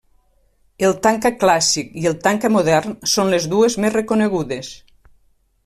El tanca clàssic i el tanca modern són les dues més reconegudes.